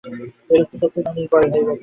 এ লোকটা সত্যই ননির ভাই বটে।